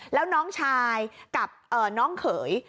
แล้วน้องชายกับน้องเขย